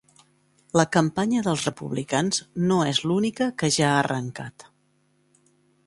La campanya del republicans no és l’única que ja ha arrencat.